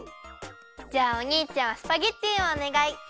じゃあおにいちゃんはスパゲッティをおねがい。